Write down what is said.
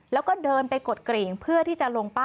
แล้วก็เดินไปกดกรีง